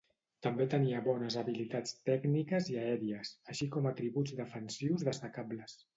També tenia bones habilitats tècniques i aèries, així com atributs defensius destacables.